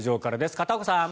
片岡さん。